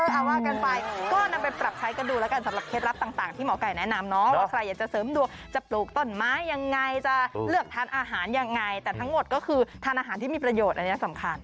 เอาว่ากันไปก็นำไปปรับใช้กันดูแล้วกันสำหรับเคล็ดลับต่างที่หมอไก่แนะนำเนาะว่าใครอยากจะเสริมดวงจะปลูกต้นไม้ยังไงจะเลือกทานอาหารยังไงแต่ทั้งหมดก็คือทานอาหารที่มีประโยชน์อันนี้สำคัญ